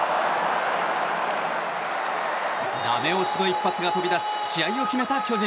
ダメ押しの一発が飛び出し試合を決めた巨人。